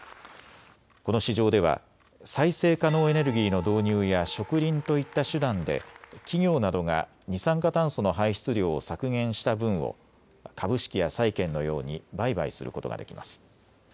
この市場では再生可能エネルギーの導入や植林といった手段で企業などが二酸化炭素の排出量を削減した分を株式や債券のように売買することができます。